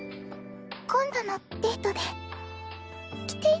今度のデートで。